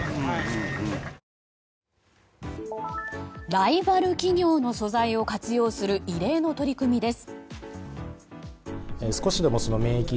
ライバル企業の素材を活用する異例の取り組みです。